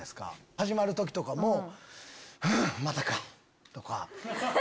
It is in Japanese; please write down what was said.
始まる時とかもふんまたか！とか。